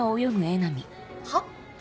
はっ？